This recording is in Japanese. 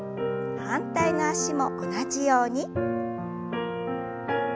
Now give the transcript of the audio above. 反対の脚も同じように。